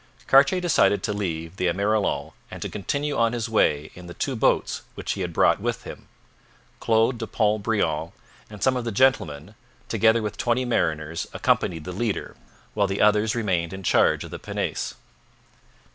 Cartier decided to leave the Emerillon and to continue on his way in the two boats which he had brought with him. Claude de Pont Briand and some of the gentlemen, together with twenty mariners, accompanied the leader, while the others remained in charge of the pinnace.